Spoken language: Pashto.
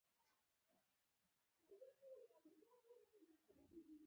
زه ورسره کار نه لرم پر ما یې لري.